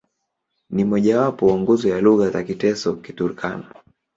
Ni mmojawapo wa nguzo ya lugha za Kiteso-Kiturkana.